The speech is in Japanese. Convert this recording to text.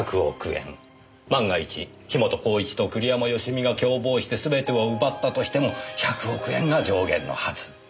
万が一樋本晃一と栗山佳美が共謀してすべてを奪ったとしても１００億円が上限のはず。